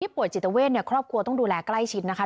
ป่วยจิตเวทครอบครัวต้องดูแลใกล้ชิดนะคะ